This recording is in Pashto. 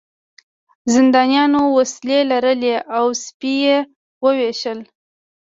زندانیانو وسلې لرلې او سپي یې وویشتل